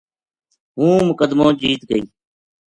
ہوں مقدمو جیت گئی